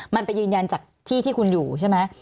มันไปยืนยันจากที่ที่คุณอยู่ใช่ไหม